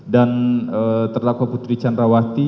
dan terdakwa putri canrawati